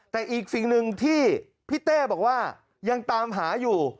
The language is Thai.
แต่อีกสิ่งหนึ่งที่พี่เต้บอกว่ายังตามหาอยู่